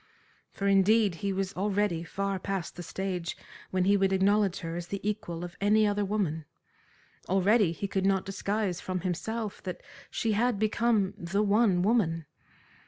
For, indeed, he was already far past the stage when he would acknowledge her as the equal of any other woman. Already he could not disguise from himself that she had become the one woman.